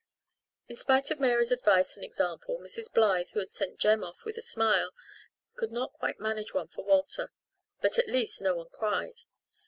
In spite of Mary's advice and example Mrs. Blythe, who had sent Jem off with a smile, could not quite manage one for Walter. But at least no one cried.